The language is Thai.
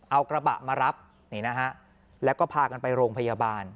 เอากระบะมารับนี่นะฮะแล้วก็พากันไปโรงพยาบาล